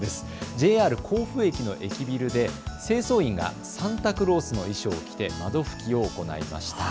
ＪＲ甲府駅の駅ビルで清掃員がサンタクロースの衣装を着て窓拭きを行いました。